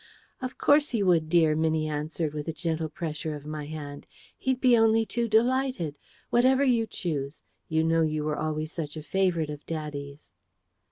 "Of course he would, dear," Minnie answered, with a gentle pressure of my hand. "He'd be only too delighted. Whatever you choose. You know you were always such a favourite of daddy's."